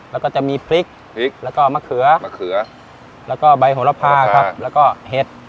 แล้วก็จะมีพริกพริกแล้วก็มะเขือมะเขือแล้วก็ใบโหระพาครับแล้วก็เห็ด